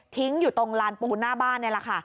อยู่ตรงลานปูนหน้าบ้านนี่แหละค่ะ